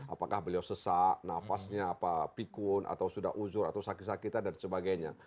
apakah beliau sesak nafasnya apa pikun atau sudah uzur atau sakit sakitan dan sebagainya